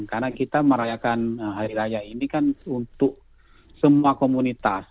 karena kita merayakan hari raya ini kan untuk semua komunitas